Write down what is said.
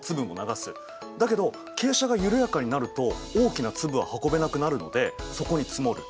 だけど傾斜が緩やかになると大きな粒は運べなくなるのでそこに積もる。